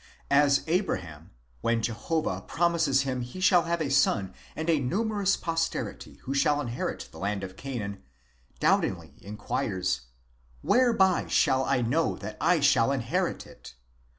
As Abra ham, when Jehovah promises him he shall have a son and a numerous pos terity who shall inherit the land of Canaan, doubtingly inquires, '' Whereby shall I know that I shall inherit it?"